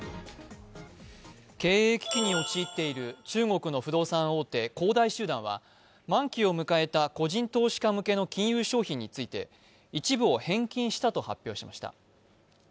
経営危機に陥っている中国の不動産大手、恒大集団は満期を迎えた個人投資家向けの金融商品について一部を返金したと発表しました。